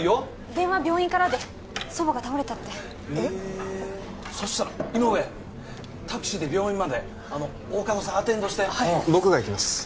電話病院からで祖母が倒れたってえっそしたら井上タクシーで病院まで大加戸さんアテンドしてはい僕が行きます